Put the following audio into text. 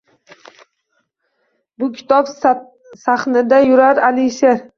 Bu kitob sahnida yurar Alisher